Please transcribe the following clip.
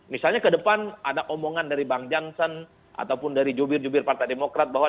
misalnya ke depan ada omongan dari bang jansen ataupun dari jubir jubir partai demokrat bahwa